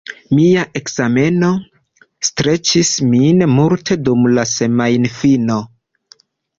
Mia ekzameno streĉis min multe dum la semajnfino.